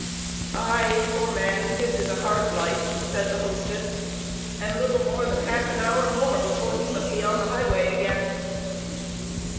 "Ay, poor man! his is a hard life," said the hostess; "and little more than half an hour more before he must be on the highway again."